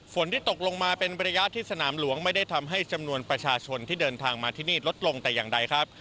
ที่ตกลงมาเป็นระยะที่สนามหลวงไม่ได้ทำให้จำนวนประชาชนที่เดินทางมาที่นี่ลดลงแต่อย่างใดครับ